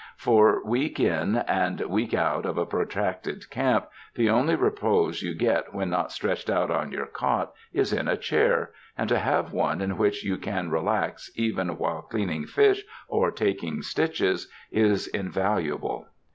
For week in and week out of a protracted camp, the only repose you get when not stretched out on your cot, is in a chair, and to have one in which you can re lax even while cleaning fish or taking stitches, is in valuable.